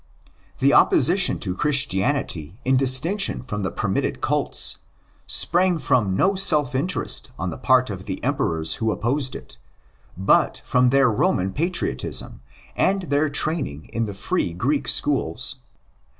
The opposition to Christianity in distinction from the permitted cults sprang from no self interest on the part of the Emperors who opposed it, but from their Roman patriotism and their training in the free Greek schools.